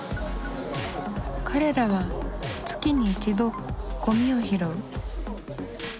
彼らは月に１度ゴミを拾う。